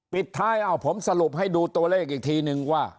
ปิดท้ายเอาผมสรุปให้ดูตัวเลขอีกทีนึงว่า